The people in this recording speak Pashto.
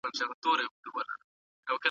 په مالت کي خاموشي سوه وخت د جام سو